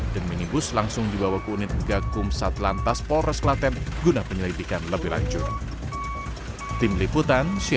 dan minibus langsung dibawa ke unit gakum satelantas polres kelatan guna penyelidikan lebih lanjut